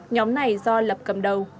nhóm này do lập cầm đầu